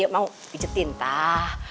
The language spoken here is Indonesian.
mau pijetin tah